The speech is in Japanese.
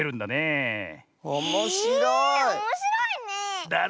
えおもしろいねえ！